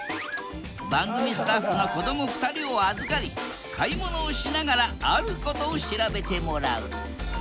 番組スタッフの子ども２人を預かり買い物をしながらあることを調べてもらう。